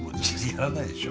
やらないでしょ。